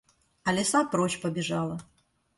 А лиса прочь побежала.